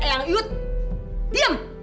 eyang iyut diam